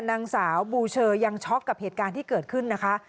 นางสาวบูเชอยังช็อกกับเหตุการณ์ที่เกิดขึ้นนะคะ